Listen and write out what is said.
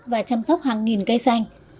và chăm sóc hàng nghìn cây xanh